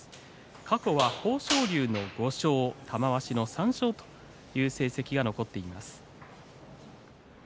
過去は豊昇龍の５勝玉鷲の３勝という成績が残っています。